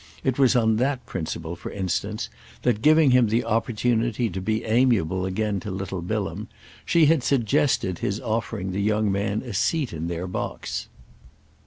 It was on that principle for instance that, giving him the opportunity to be amiable again to little Bilham, she had suggested his offering the young man a seat in their box.